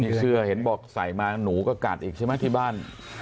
มีเสื้อเห็นบอกใส่มาหนูก็กัดอีกใช่ไหมที่บ้าน